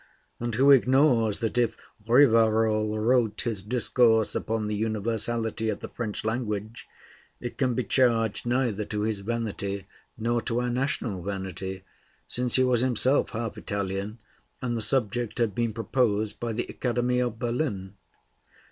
And who ignores that if Rivarol wrote his 'Discourse upon the Universality of the French Language,' it can be charged neither to his vanity nor to our national vanity, since he was himself half Italian, and the subject had been proposed by the Academy of Berlin?